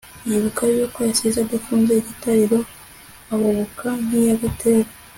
yibuka yuko yasize adafunze igitariro, ahubuka nk'iya gatera